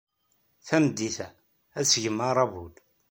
Tameddit-a, ad d-tgem aṛabul.